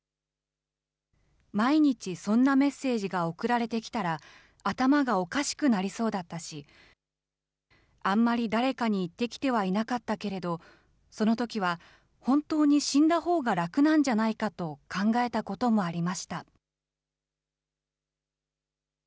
毎日そんなメッセージが送られてきたら、頭がおかしくなりそうだったし、あんまり誰かに言ってきてはいなかったけれど、そのときは本当に死んだほうが楽なんじゃないかと考えたこともありました。